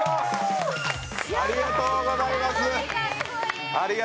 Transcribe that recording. ありがとうございます。